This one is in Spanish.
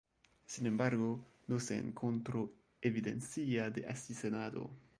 Sin embargo, no se encontró evidencia de asesinato.